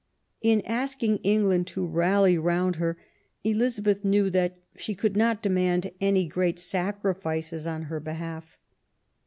In asking England to rally round her, Elizabeth knew that she could not demand any great sacrifices on her behalf.